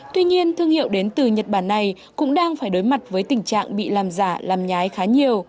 tuy nhiên thương hiệu đến từ nhật bản này cũng đang phải đối mặt với tình trạng bị làm giả làm nhái khá nhiều